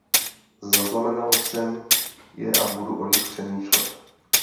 Zaznamenal jsem je a budu o nich přemýšlet.